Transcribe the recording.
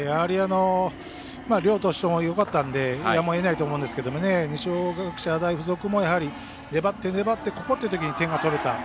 両投手ともよかったんでやむをえないと思うんですけど二松学舎大付属もやはり、粘って、粘ってここっていうときに点が取れた。